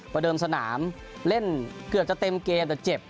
เบอร์เทิมสนามเกือบจะเต็มเกมแต่เจ็บ